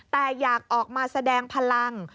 แต่อยากออกมาแสดงพลัง